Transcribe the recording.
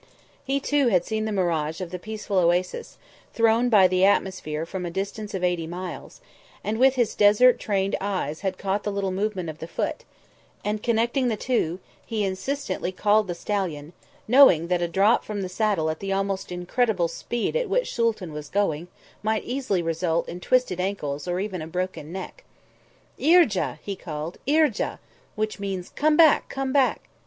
He too had seen the mirage of the peaceful oasis, thrown by the atmosphere from a distance of eighty miles, and with his desert trained eyes had caught the little movement of the foot; and, connecting the two, he insistently called the stallion, knowing that a drop from the saddle at the almost incredible speed at which Sooltan was going might easily result in twisted ankles or even a broken neck. "Irja!" he called. "Irja!" Which means, "Come back, come back!"